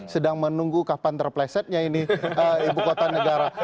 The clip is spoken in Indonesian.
sedang menunggu kapan terplesetnya ini ibu kota negara